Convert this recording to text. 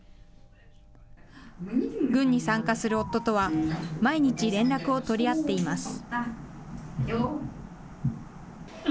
軍に参加する夫とは、毎日連絡を取り合っています。